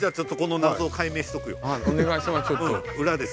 お願いします。